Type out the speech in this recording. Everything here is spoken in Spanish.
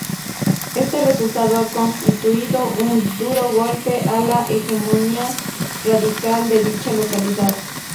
Éste resultado ha constituido un duro golpe a la hegemonía radical de dicha localidad.